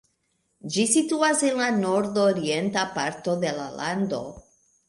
Ĝi situas en la nordorienta parto de la lando.